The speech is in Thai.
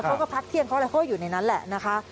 เขาก็พักเที่ยงเขาและเขาอยู่ในนั้นแหละนะคะ